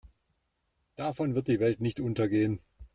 Davon wird die Welt nicht untergehen.